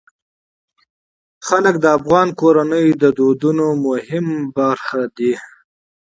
وګړي د افغان کورنیو د دودونو مهم عنصر دی.